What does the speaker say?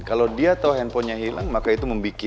kalau dia tahu hpnya hilang maka itu membuatnya